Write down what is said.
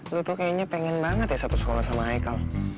lu tuh kayaknya pengen banget ya satu sekolah sama ichael